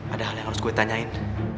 ada hal yang harus gue tanyain